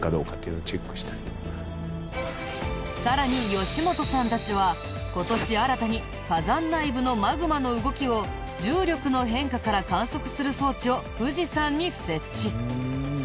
さらに吉本さんたちは今年新たに火山内部のマグマの動きを重力の変化から観測する装置を富士山に設置。